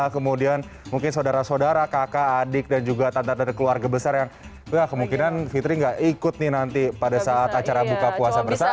kemudian mungkin saudara saudara kakak adik dan juga tanda tanda keluarga besar yang wah kemungkinan fitri nggak ikut nih nanti pada saat acara buka puasa bersama